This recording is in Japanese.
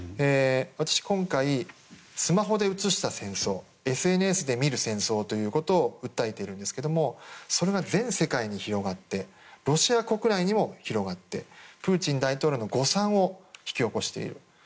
私、今回、スマホで映した戦争ＳＮＳで見る戦争ということを訴えているんですがそれが全世界に広がってロシア国内にも広がってプーチン大統領の誤算を引き起こしている。